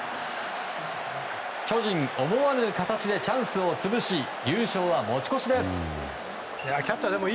巨人、思わぬ形でチャンスを潰し優勝は持ち越しです。